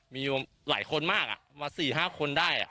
มีหลายคนมากมา๔๕คนได้